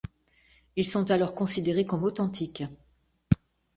Ils sont alors considérés comme authentiques.